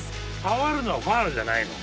触るのファールじゃないの。